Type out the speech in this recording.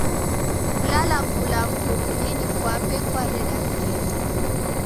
Kulala kula mndu w'ulinyi kwape kwareda sere.